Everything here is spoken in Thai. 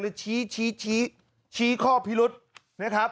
ชี้ชี้ข้อพิรุษนะครับ